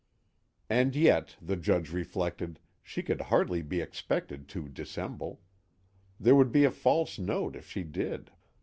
_ And yet, the Judge reflected, she could hardly be expected to dissemble; there would be a false note if she did.